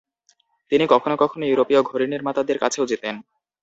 তিনি কখনো কখনো ইউরোপীয় ঘড়িনির্মাতাদের কাছেও যেতেন।